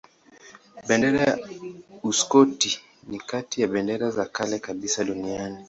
Bendera ya Uskoti ni kati ya bendera za kale kabisa duniani.